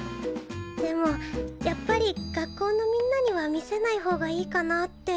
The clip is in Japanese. でもやっぱり学校のみんなには見せない方がいいかなって。